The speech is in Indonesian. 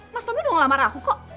mas tommy udah ngelamar aku kok